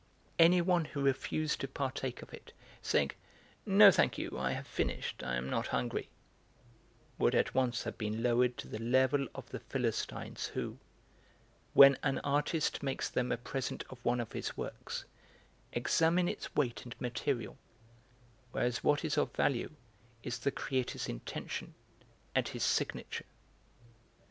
Anyone who refused to partake of it, saying: "No, thank you, I have finished; I am not hungry," would at once have been lowered to the level of the Philistines who, when an artist makes them a present of one of his works, examine its weight and material, whereas what is of value is the creator's intention and his signature.